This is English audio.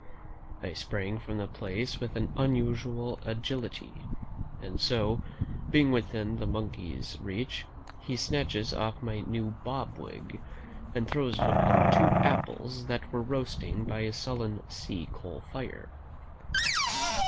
I sprang from the place with an unusual agility, and so, being within the monkey's reach, he snatches off my new bob wig, and throws it upon two apples that were roasting by a sullen sea coal fire.